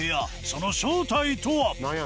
その正体とは？